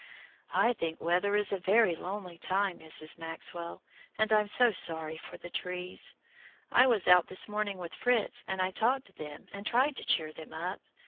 "I think winter is a very lonely time, Mrs. Maxwell, and I'm so sorry for the trees. I was out this morning with Fritz, and I talked to them and tried to cheer them up.